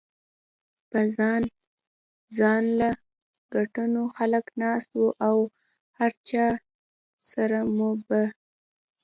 پۀ ځان ځانله کټونو خلک ناست وو او هر چا سره موبايل ؤ